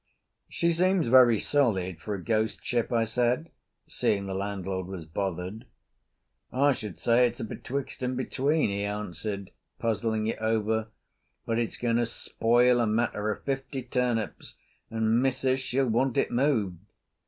"She seems very solid for a ghost ship," I said, seeing the landlord was bothered. "I should say it's a betwixt and between," he answered, puzzling it over, "but it's going to spoil a matter of fifty turnips, and missus she'll want it moved."